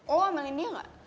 oh omelinnya gak